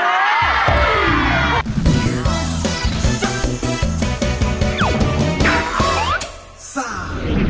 สุดซ่า